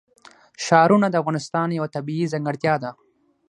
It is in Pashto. ښارونه د افغانستان یوه طبیعي ځانګړتیا ده.